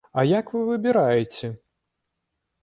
А як вы выбіраеце?